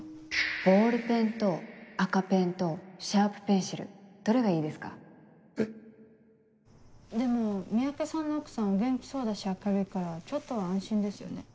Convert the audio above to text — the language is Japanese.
ボールペンと赤ペンとシャープペンシルでも三宅さんの奥さんお元気そうだし明るいからちょっとは安心ですよね。